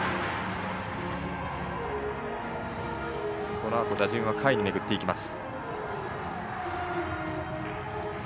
このあと打順は下位に巡っていきます。